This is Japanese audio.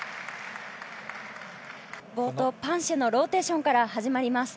冒頭パンシェのローテーションから始まります。